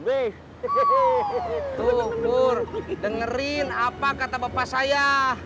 hei tuhur dengerin apa kata bapak saya